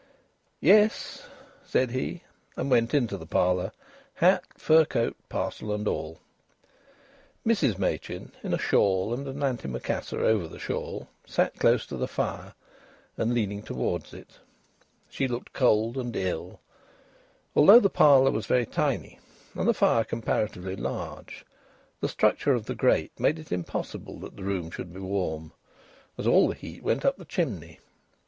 "Yes," said he, and went into the parlour, hat, fur coat, parcel, and all. Mrs Machin, in a shawl and an antimacassar over the shawl, sat close to the fire and leaning towards it. She looked cold and ill. Although the parlour was very tiny and the fire comparatively large, the structure of the grate made it impossible that the room should be warm, as all the heat went up the chimney.